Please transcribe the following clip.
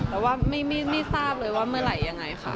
แต่ว่าไม่ทราบเลยว่าเมื่อไหร่ยังไงค่ะ